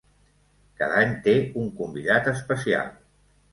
Cada any té un convidat especial.